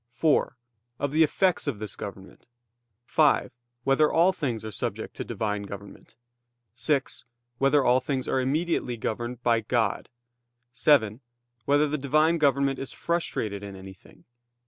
(4) Of the effects of this government? (5) Whether all things are subject to Divine government? (6) Whether all things are immediately governed by God? (7) Whether the Divine government is frustrated in anything?